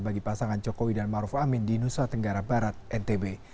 bagi pasangan jokowi dan maruf amin di nusa tenggara barat ntb